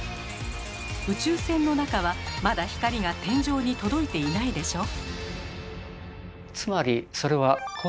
宇宙船の中はまだ光が天井に届いていないでしょう？